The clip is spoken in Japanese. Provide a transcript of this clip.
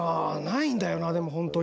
ないんだよなでも本当に。